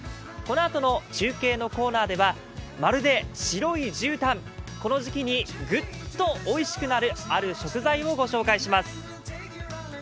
このあとの中継のコーナーでは、まるで白いじゅうたん、この時期にグッとおいしくなるある食材を御紹介します。